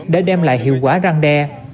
để đem lại hiệu quả răng đe